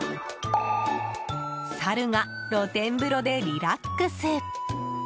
サルが露天風呂でリラックス。